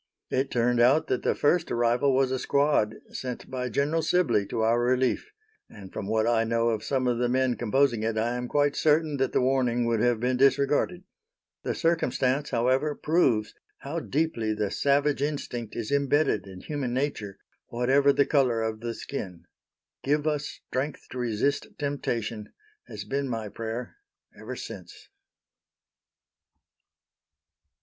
It turned out that the first arrival was a squad sent by General Sibley to our relief, and from what I know of some of the men composing it, I am quite certain that the warning would have been disregarded. The circumstance, however, proves how deeply the savage instinct is imbedded in human nature, whatever the color of the skin. "Give us strength to resist temptation," has been my prayer ever since.